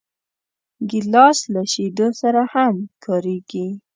ګیلاس له شیدو سره هم کارېږي.